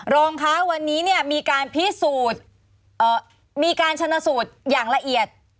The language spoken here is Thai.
รองคะวันนี้เนี่ยมีการพิสูจน์มีการชนสูตรอย่างละเอียด